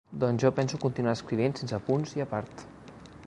Doncs jo penso continuar escrivint sense punts i a part?